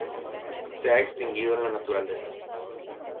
Se ha extinguido en la naturaleza.